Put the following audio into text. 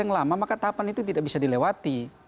yang lama maka tahapan itu tidak bisa dilewati